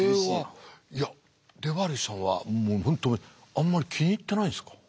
いやデバリーさんは本当あんまり気に入ってないんですか？